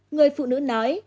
người phụ nữ nói